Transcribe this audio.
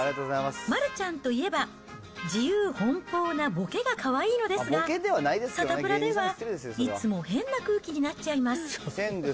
丸ちゃんといえば、自由奔放なボケがかわいいのですが、サタプラではいつも変な空気になっちゃいます。